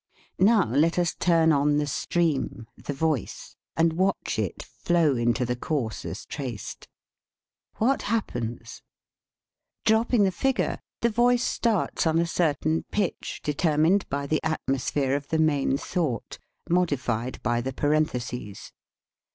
Now let us turn on the stream, the voice, and watch it flow into the course as traced. What hap pens ? Dropping the figure, the voice starts on a certain pitch, determined by the atmos phere of the main thought, modified by the parentheses.